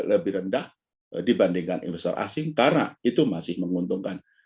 lebih rendah dibandingkan investor asing karena itu masih menguntungkan